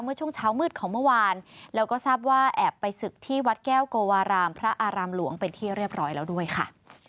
เมื่อช่วงเช้ามืดของเมื่อวานแล้วก็ทราบว่าแอบไปศึกที่วัดแก้วโกวารามพระอารามหลวงเป็นที่เรียบร้อยแล้วด้วยค่ะ